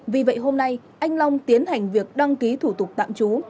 vì vậy hôm nay anh long tiến hành việc đăng ký thủ tục tạm trú